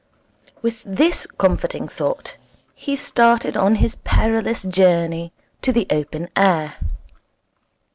With this comforting thought, he started on his perilous journey to the open air.